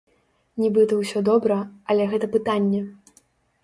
Нібыта ўсё добра, але гэта пытанне.